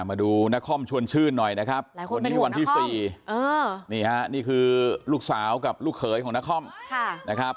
มาดูนครชวนชื่นหน่อยนะครับคนที่วันที่๔นี่คือลูกสาวกับลูกเขยของนคร